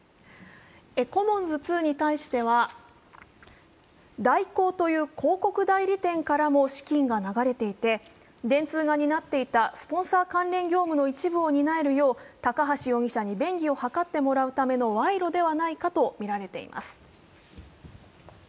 コモンズ２に対しては、大広という広告代理店からも資金が流れていて、電通が担っていたスポンサー関連業務の一部を担えるよう高橋容疑者に便宜を図ってもらうための賄賂ではないかとみられています。